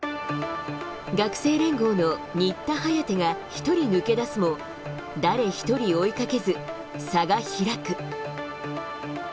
学生連合の新田颯が１人抜け出すも、誰一人追いかけず、差が開く。